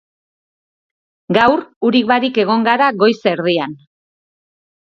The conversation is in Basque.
Gaur urik barik egon gara goiz erdian.